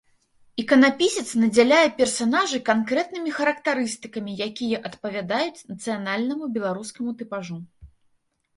Іканапісец надзяляе персанажы канкрэтнымі характарыстыкамі, якія адпавядаюць нацыянальнаму беларускаму тыпажу.